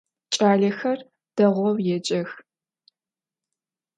Ç'alexer değou yêcex.